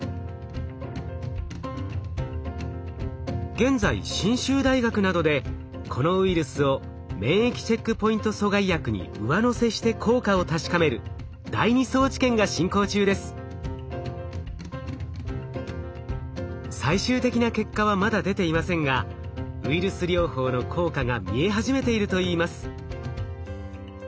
現在信州大学などでこのウイルスを免疫チェックポイント阻害薬に上乗せして効果を確かめる最終的な結果はまだ出ていませんがウイルス療法の効果が見え始めているといいます。